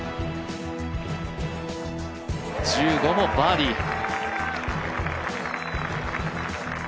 １５もバーディー。